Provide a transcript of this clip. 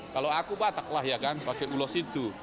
kalau aku batak lah ya kan pakai ulos itu